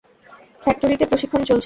ফ্যাক্টরিতে প্রশিক্ষণ চলছে।